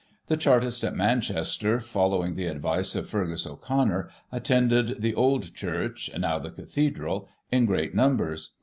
The Char tists at Manchester, following the advice of Feargus O'Connor, attended the Old Church (now the Cathedral) in great num bers.